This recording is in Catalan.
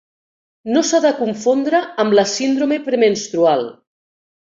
No s'ha de confondre amb la síndrome premenstrual.